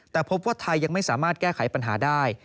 แต่พบว่าไทยยังไม่สามารถแก้ไขปัญหาได้